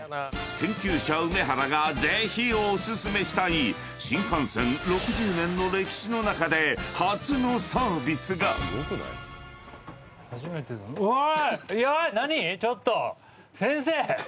［研究者梅原がぜひお薦めしたい新幹線６０年の歴史の中で初のサービスが］えっ？